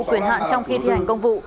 quyền hạn trong khi thi hành công vụ